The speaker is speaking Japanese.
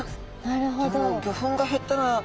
なるほど。